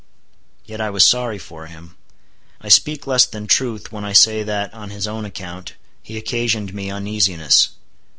Yet I was sorry for him. I speak less than truth when I say that, on his own account, he occasioned me uneasiness.